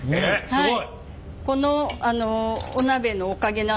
はい。